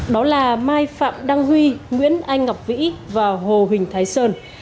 đó là mai phạm đăng huy nguyễn anh ngọc vĩ và hồ huỳnh thái sơn